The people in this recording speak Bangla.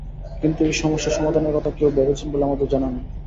কিন্তু এই সমস্যার সমাধানের কথা কেউ ভেবেছেন বলে আমাদের জানা নেই।